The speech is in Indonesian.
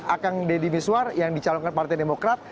akang deddy miswar yang dicalonkan partai demokrat